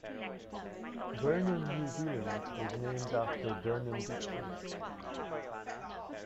Burnham, New Zealand was named after Burnham Beeches.